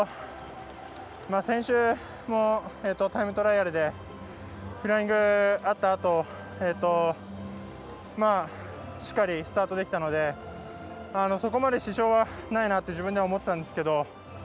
先週もタイムトライアルでフライングあったあとしっかり、スタートできたのでそこまで支障はないなと自分では思ってたんですけど。